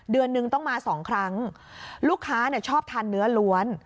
เดือนนึงต้องมาสองครั้งลูกค้าชอบทานเนื้อล้วน